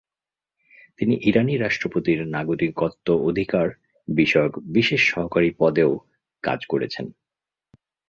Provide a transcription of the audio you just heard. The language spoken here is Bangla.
তিনি ইরানি রাষ্ট্রপতির নাগরিকত্ব অধিকার বিষয়ক বিশেষ সহকারী পদেও কাজ করেছেন।